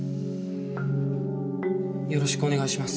よろしくお願いします。